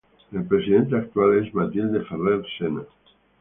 Su presidente actual es "Matilde Ferrer Sena".